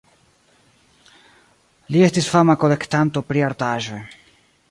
Li estis fama kolektanto pri artaĵoj.